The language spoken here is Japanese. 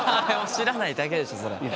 知らないだけでしょそれ。